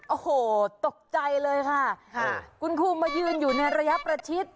โอ้โหตกใจเลยค่ะคุณครูมายืนอยู่ในระยะประชิด